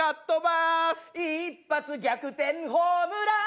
「一発逆転ホームラン！」